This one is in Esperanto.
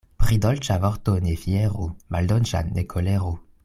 Pri dolĉa vorto ne fieru, maldolĉan ne koleru.